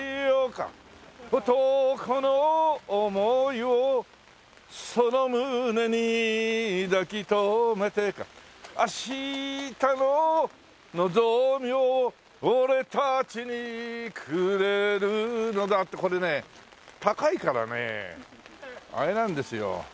「男の想いをその胸に抱きとめて」「あしたの希望を俺たちにくれるのだ」ってこれね高いからねあれなんですよ。